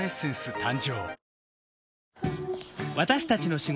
誕生